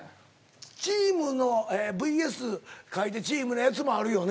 チームのＶＳ書いてチームのやつもあるよね。